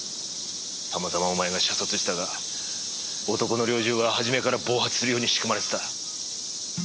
たまたまお前が射殺したが男の猟銃ははじめから暴発するように仕組まれてた。